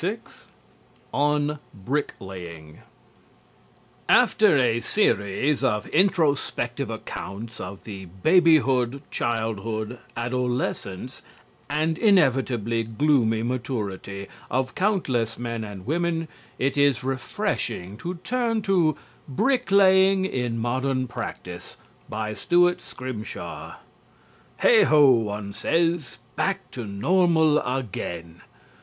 XLVI ON BRICKLAYING After a series of introspective accounts of the babyhood, childhood, adolescence and inevitably gloomy maturity of countless men and women, it is refreshing to turn to "Bricklaying in Modern Practice," by Stewart Scrimshaw. "Heigh ho!" one says. "Back to normal again!"